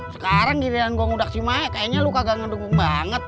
sekarang giliran gue ngudaksi maya kayaknya lu kagak ngedukung banget